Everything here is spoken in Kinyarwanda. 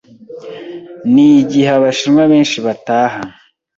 ni igihe Abashinwa benshi bataha